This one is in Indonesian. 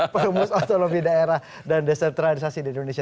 perumus otonomi daerah dan desentralisasi di indonesia